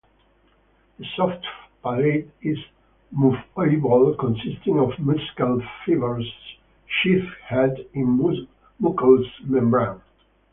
The soft palate is moveable, consisting of muscle fibers sheathed in mucous membrane.